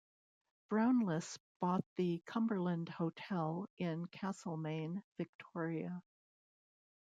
Brownless bought the Cumberland Hotel in Castlemaine, Victoria.